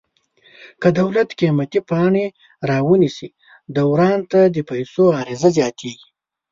که دولت قیمتي پاڼې را ونیسي دوران ته د پیسو عرضه زیاتیږي.